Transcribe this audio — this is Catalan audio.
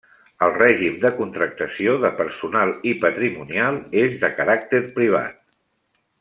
El règim de contractació de personal i patrimonial és de caràcter privat.